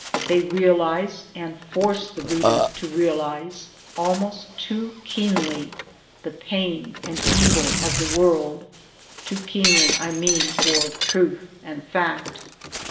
They realize and force the reader to realize almost too keenly the pain and evil of the world 1 too keenly I mean for truth and fact.